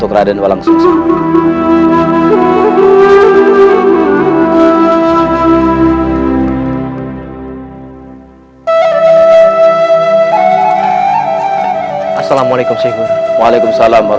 kau bisa mengalahkan si iwan